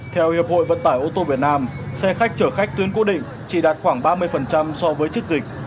theo hiệp hội vận tải ô tô việt nam xe khách chở khách tuyến cố định chỉ đạt khoảng ba mươi so với chức dịch